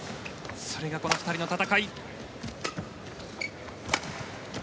それがこの２人の戦い。